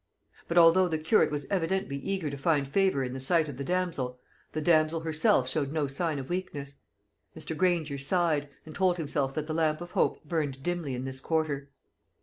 But although the curate was evidently eager to find favour in the sight of the damsel, the damsel herself showed no sign of weakness. Mr. Granger sighed, and told himself that the lamp of hope burned dimly in this quarter.